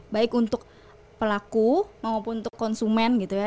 baik untuk pelaku maupun untuk konsumen gitu ya